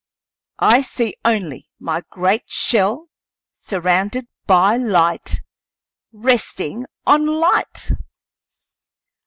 I see only my great shell surrounded by light, resting on light!"